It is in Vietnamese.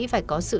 phải có sự